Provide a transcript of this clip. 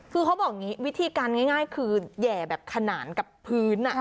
คือเขาบอกอย่างนี้วิธีการง่ายคือแห่แบบขนานกับพื้น